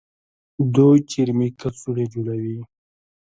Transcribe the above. دوی چرمي کڅوړې جوړوي.